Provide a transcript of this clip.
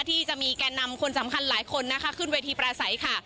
ที่จะมีแก่นำคนสำคัญหลายคนนะคะขึ้นเวทีประสัยค่ะ